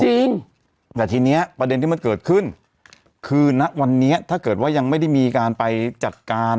จริงแต่ทีเนี้ยประเด็นที่มันเกิดขึ้นคือณวันนี้ถ้าเกิดว่ายังไม่ได้มีการไปจัดการ